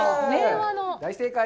大正解！